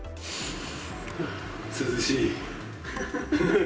涼しい。